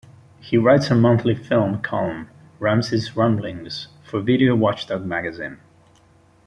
He writes a monthly film column, "Ramsey's Ramblings", for "Video Watchdog" magazine.